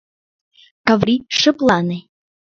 — Каври, шыплане.